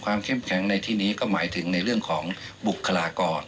เข้มแข็งในที่นี้ก็หมายถึงในเรื่องของบุคลากร